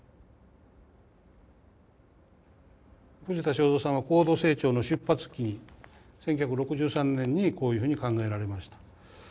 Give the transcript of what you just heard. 藤田省三さんは高度成長の出発期に１９６３年にこういうふうに考えられました。